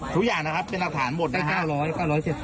ทุกอย่างนะครับเป็นอักษรหมดได้๙๐๐๙๗๐บาท